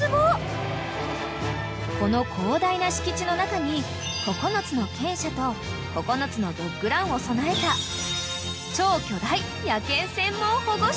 ［この広大な敷地の中に９つの犬舎と９つのドッグランを備えた］え！